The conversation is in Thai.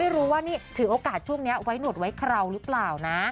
รู้ว่านี่ถือโอกาสช่วงนี้ไว้หนวดไว้คราวหรือเปล่านะ